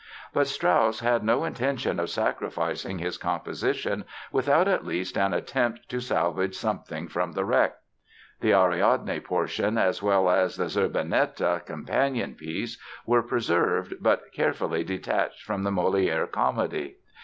But Strauss had no intention of sacrificing his composition without at least an attempt to salvage something from the wreck. The Ariadne portion as well as the Zerbinetta companion piece were preserved but carefully detached from the Molière comedy.